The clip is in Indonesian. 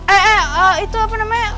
eh eh eh itu apa namanya